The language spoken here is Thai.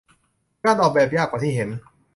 การออกแบบยากกว่าที่เห็น